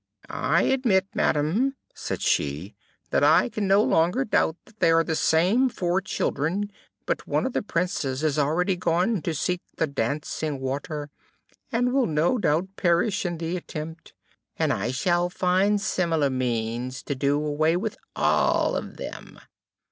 "I admit, Madam," said she, "that I can no longer doubt that they are the same four children: but one of the Princes is already gone to seek the dancing water, and will no doubt perish in the attempt, and I shall find similar means to do away with all of them."